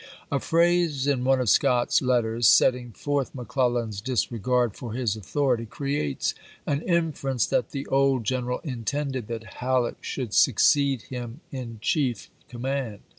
A phrase in one of Scott's letters, setting forth McClellan's disregard for his authority, creates an inference that the old general intended that Halleck should succeed him in chief command.